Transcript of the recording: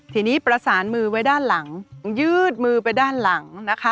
ทีนี้ประสานมือไว้ด้านหลังยืดมือไปด้านหลังนะคะ